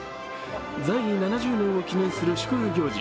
在位７０年を記念する祝賀行事